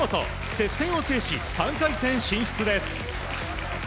接戦を制し３回戦進出です。